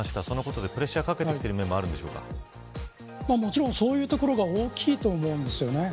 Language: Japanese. そのことでプレッシャーをかけてきている面ももちろん、そういうところが大きいと思うんです。